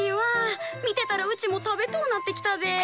見てたらうちも食べとうなってきたで。